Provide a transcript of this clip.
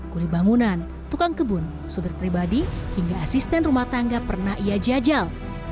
kulit bangunan tukang kebun supir pribadi hingga asisten rumah tangga pernah ia jajal